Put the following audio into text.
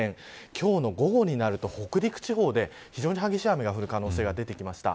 今日の午後になると北陸地方で非常に激しい雨が降る可能性が出てきました。